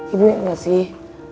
ibu juga sih